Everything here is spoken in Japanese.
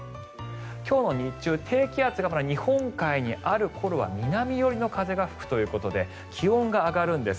今日日中、低気圧が日本海にある頃は南寄りの風が吹くということで気温が上がるんです。